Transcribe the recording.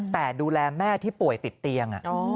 แต่ดูแลแม่ที่ป่วยติดเตียง